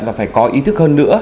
và phải có ý thức hơn nữa